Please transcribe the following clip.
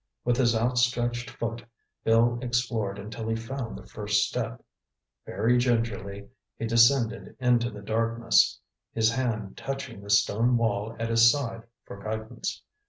With his outstretched foot, Bill explored until he found the first step. Very gingerly he descended into the darkness, his hand touching the stone wall at his side for guidance.